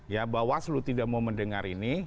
ya bawaslu tidak mau mendengar ini